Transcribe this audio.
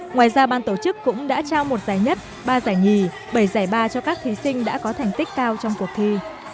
ngoài ra ban tổ chức cũng đã trao một giải nhất ba giải nhì bảy giải ba cho các thí sinh đã có thành tích cao trong cuộc thi